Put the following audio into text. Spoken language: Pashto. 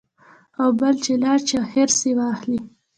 او بل چې لالچ يا حرص ئې واخلي -